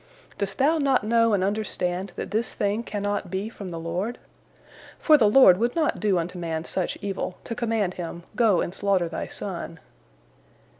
Dost thou not know and understand that this thing cannot be from the Lord? For the Lord would not do unto man such evil, to command him, Go and slaughter thy son."